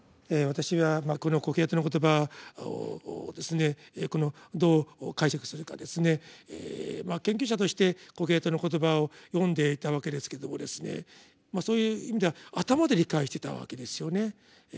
私はこの「コヘレトの言葉」をですねどう解釈するかですねまあ研究者として「コヘレトの言葉」を読んでいたわけですけどもそういう意味では頭で理解してたわけですよね。